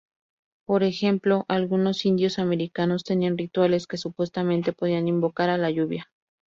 Por ejemplo, Algunos indios americanos tenían rituales que supuestamente podían invocar a la lluvia.